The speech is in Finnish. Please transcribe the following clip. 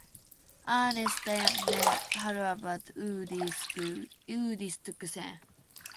Äänestäjämme haluavat uudistuksen.